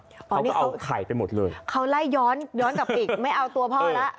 เขาก็เอาไข่ไปหมดเลยเขาไล่ย้อนย้อนกลับอีกไม่เอาตัวพอละ